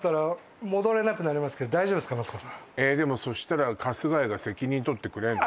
マツコさんそしたら春日井が責任取ってくれんの？